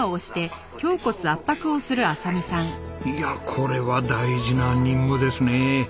いやこれは大事な任務ですね。